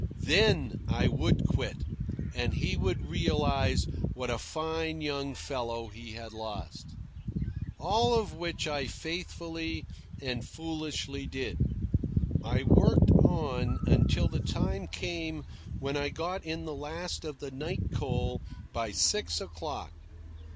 Then I would quit, and he would realise what a fine young fellow he had lost. All of which I faithfully and foolishly did. I worked on until the time came when I got in the last of the night coal by six o'clock.